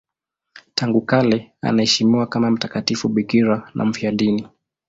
Tangu kale anaheshimiwa kama mtakatifu bikira na mfiadini.